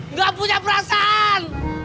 nggak punya perasaan